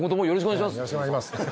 よろしくお願いします。